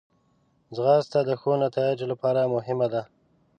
ځغاسته د ښو نتایجو لپاره مهمه ده